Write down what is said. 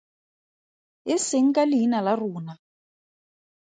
E seng ka leina la rona!